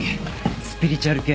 スピリチュアル系？